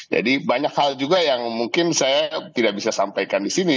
jadi banyak hal juga yang mungkin saya tidak bisa sampaikan di sini